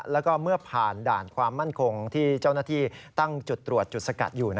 แล้วก็เมื่อผ่านด่านความมั่นคงที่เจ้าหน้าที่ตั้งจุดตรวจจุดสกัดอยู่